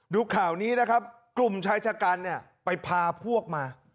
ดูข่าวนี้นะครับกลุ่มชายชะกันเนี่ยไปพาพวกมา